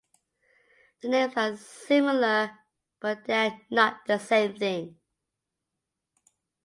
The names are similar but they are not the same thing.